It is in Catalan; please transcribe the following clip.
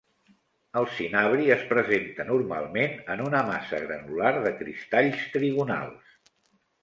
El cinabri es presenta normalment en una massa granular de cristalls trigonals.